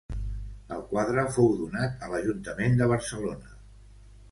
El quadre fou donat a l'ajuntament de Barcelona.